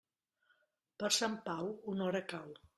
Per Sant Pau, una hora cau.